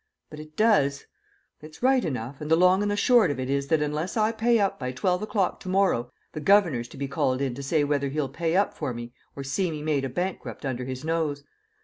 But it does; it's right enough, and the long and short of it is that unless I pay up by twelve o'clock to morrow the governor's to be called in to say whether he'll pay up for me or see me made a bankrupt under his nose.